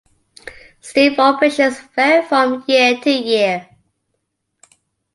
Steam operations vary from year to year.